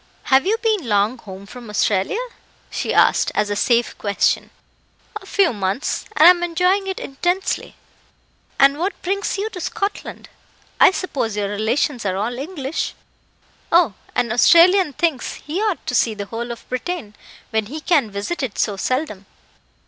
"Have you been long home from Australia?" she asked, as a safe question. "A few months, and am enjoying it intensely." "And what brings you to Scotland? I suppose your relations are all English?" "Oh, an Australian thinks he ought to see the whole of Britain, when he can visit it so seldom.